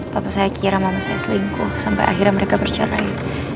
papa saya kira mama saya selingkuh sampai akhirnya mereka bercerai